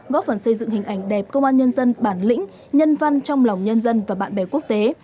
góp phần xây dựng hình ảnh đẹp công an nhân dân bản lĩnh nhân văn trong lòng nhân dân và bạn bè quốc tế